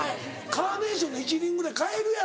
カーネーションの１輪ぐらい買えるやろ。